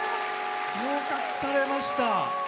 合格されました。